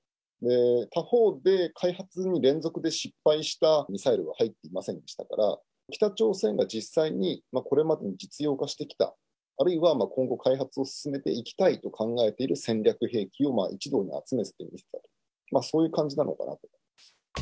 他方で、開発に連続で失敗したミサイルは入っていませんでしたから、北朝鮮が実際にこれまで実用化してきた、あるいは今後開発を進めていきたいと考えている戦略兵器を一堂に集めているという、そういう感じなのかなと思います。